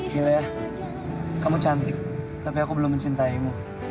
gila ya kamu cantik tapi aku belum mencintaimu